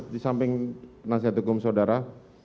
di samping penasihat hukum saudara